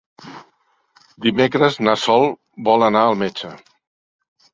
Dimecres na Sol vol anar al metge.